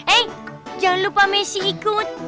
eh jangan lupa messi ikut